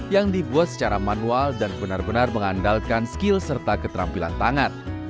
yang dibuat secara manual dan benar benar mengandalkan skill serta keterampilan tangan